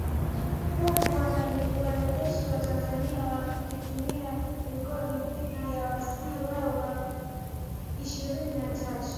huku wanajeshi wa Tanzania wakitumia roketi dhidi ya waasi hao wa M ishirini na tatu